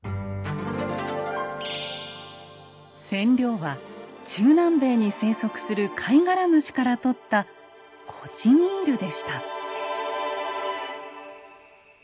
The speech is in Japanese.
染料は中南米に生息するカイガラムシからとったコチニールでした。